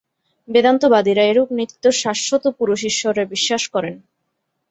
বেদান্তবাদীরা এরূপ নিত্য শাশ্বত পুরুষ ঈশ্বরে বিশ্বাস করেন।